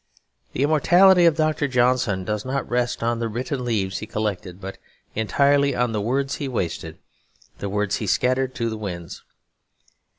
The immortality of Dr. Johnson does not rest on the written leaves he collected, but entirely on the words he wasted, the words he scattered to the winds.